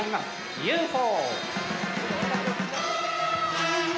「ＵＦＯ」。